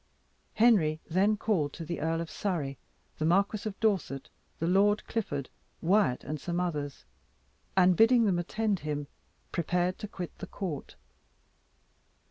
Henry then called to the Earl of Surrey, the Marquis of Dorset, the Lord Clifford, Wyat, and some others, and bidding them attend him, prepared to quit the court.